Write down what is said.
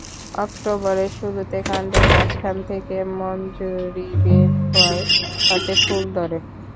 অক্টোবরের শুরুতে কাণ্ডের মাঝখান থেকে মঞ্জরি বের হয়, তাতে ফুল ধরে।